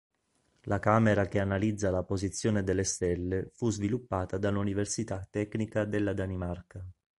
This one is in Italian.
La camera che analizza la posizione delle stelle fu sviluppata dall'Università Tecnica della Danimarca.